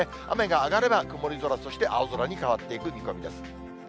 雨が上がれば曇り空、そして青空に変わっていく見込みです。